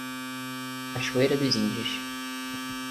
Cachoeira dos Índios